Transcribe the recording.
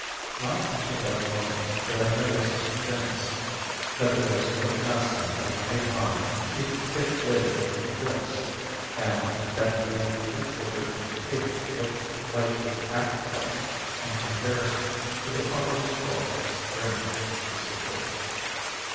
Not until that moment did I notice two things: that there was no fastening of any kind to keep the thick lid in place: and that the three quarter inch cable looked like a pack thread in comparison to the ponderous bulk it strained to support.